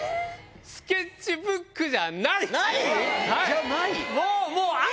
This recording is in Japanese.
スケッチブックじゃない？